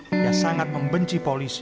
dia sangat membenci polisi